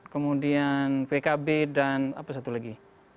kemudian pkb dan apa satu lagi